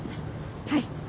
はい。